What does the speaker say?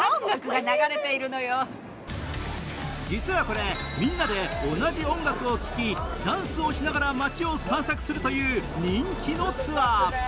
実はこれ、みんなで同じ音楽を聴きダンスをしながら街を散策するという人気のツアー。